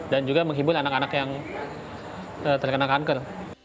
dan juga menghibur anak anak yang terkena kanker